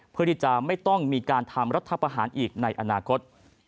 เพื่อที่จะไม่ต้องมีการทำรัฐประหารอีกในอนาคต